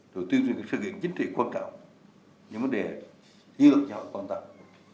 thủ tướng cho rằng sự kiện chính trị quan trọng những vấn đề dư luận xã hội quan trọng